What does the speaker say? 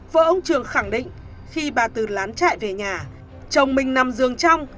vợ ông trường khẳng định khi bà từ lán chạy về nhà chồng mình nằm giường trong